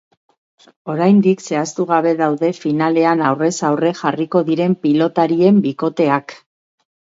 Oraindik zehaztugabe daude finalean aurrez aurre jarriko diren pilotarien bikoteak.